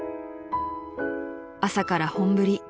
［「朝から本降り」］